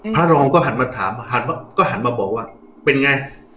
พระรองก็หันมาถามหันมาก็หันมาบอกว่าเป็นไง